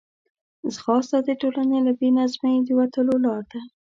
ځغاسته د ټولنې له بې نظمۍ د وتلو لار ده